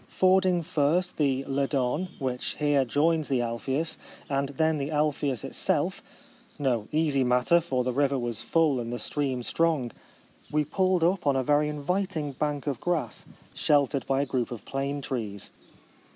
Ford ing first the Ladon, which here joins the Alpheus, and then the Alpheus itself — no easy matter, for the river was full and the stream strong — we pulled up on a very inviting bank of grass, sheltered by a group of plane trees.